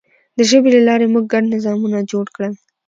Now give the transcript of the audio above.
د ژبې له لارې موږ ګډ نظامونه جوړ کړل.